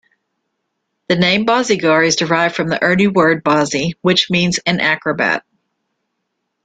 The name Bazigar is derived from the Urdu word "bazi", which means an acrobat.